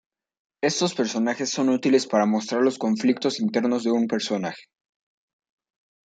Estos personajes son útiles para mostrar los conflictos internos de un personaje.